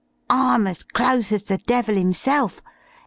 'I'm as close as the devil 'imself.